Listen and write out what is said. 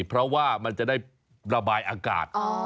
เพราะว่ามันจะได้ระบายอากาศ